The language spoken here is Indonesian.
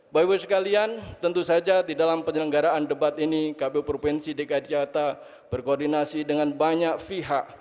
bapak ibu sekalian tentu saja di dalam penyelenggaraan debat ini kpu provinsi dki jakarta berkoordinasi dengan banyak pihak